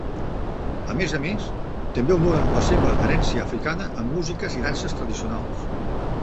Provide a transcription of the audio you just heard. A més a més, també honoren la seva herència africana amb músiques i danses tradicionals.